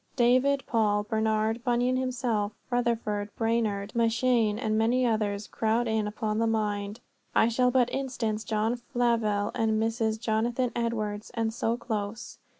David, Paul, Bernard, Bunyan himself, Rutherford, Brainerd, M'Cheyne, and many others crowd in upon the mind. I shall but instance John Flavel and Mrs. Jonathan Edwards, and so close.